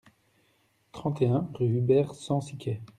trente et un rue Hubert Sensiquet